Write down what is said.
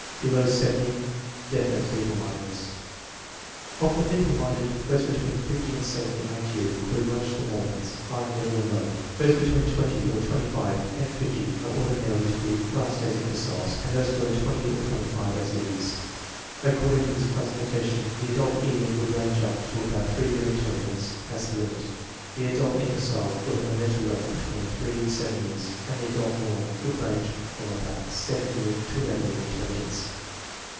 Below 70 .... Definite feeble mindedness. Of the feeble minded, those between 50 and 70 I Q in clude most of the morons (high, middle, and low), those between 20 or 25 and 50 are ordinarily to be classed as imbeciles, and those below 20 or 25 as idiots. According to this classification the adult idiot would range up to about 3 year intelligence as the limit, the adult imbecile would have a mental level between 3 and 7 years, and the adult moron would range from about 7 year to 11 year intelligence.